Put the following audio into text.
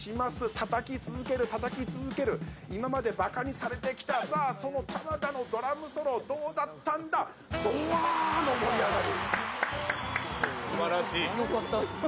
たたき続ける、たたき続ける、今までばかにされてきた、さあ、その玉田のドラムソロ、どうだったんだ、ドワー！の盛り上がり。